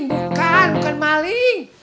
bukan bukan mali